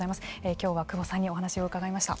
今日は久保さんにお話を伺いました。